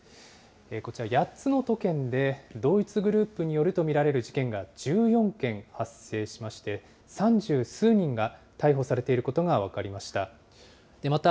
こちら、８つの都県で、同一グループによると見られる事件が１４件発生しまして、三十数人が逮捕されていることが分かりました。